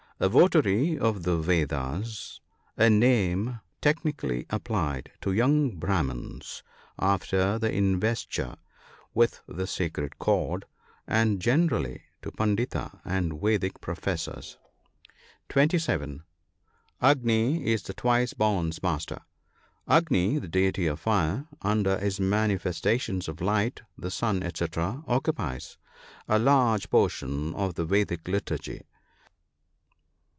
— A votary of the Vedas, a name technically ap plied to young Brahmins after their investiture with the sacred cord, and generally to pundits and Vedic professors. (27.) Agni is the twice born* s master, — Agni, the deity of Fire, under his manifestations of light, the sun, &c. , occupies a large portion of the Vedic liturgy.